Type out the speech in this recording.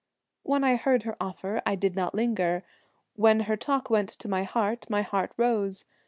When I heard her offer I did not linger, When her talk went to my heart my heart rose.